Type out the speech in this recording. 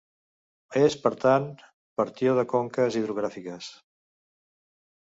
És, per tant, partió de conques hidrogràfiques.